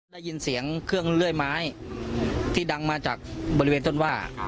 ได้ยินเสียงเครื่องเลื่อยไม้ที่ดังมาจากบริเวณต้นว่า